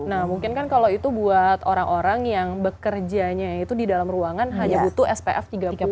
nah mungkin kan kalau itu buat orang orang yang bekerjanya itu di dalam ruangan hanya butuh spf tiga puluh